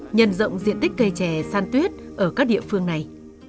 nhân rộng diện tích cây chè san tuyết ở các địa phương này